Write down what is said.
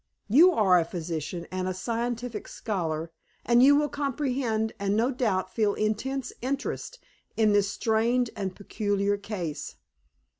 You are a physician and a scientific scholar, and you will comprehend and no doubt feel intense interest in this strange and peculiar case.